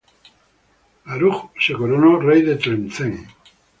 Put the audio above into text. Aruj se coronó rey de Tlemcen.